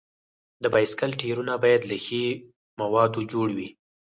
د بایسکل ټایرونه باید له ښي موادو جوړ وي.